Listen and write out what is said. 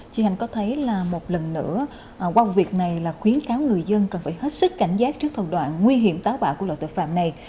chị hạnh có thấy là một lần nữa qua vụ việc này là khuyến cáo người dân cần phải hết sức cảnh giác trước thủ đoạn nguy hiểm táo bạo của loại tội phạm này